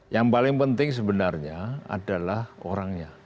yang paling penting sebenarnya adalah orangnya